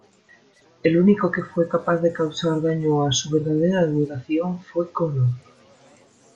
El único que fue capaz de causar daño a su verdadera duración fue Connor.